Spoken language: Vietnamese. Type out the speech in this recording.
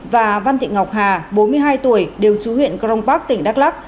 và văn thị ngọc hà bốn mươi hai tuổi đều trú huyện grong park tỉnh đắk lắc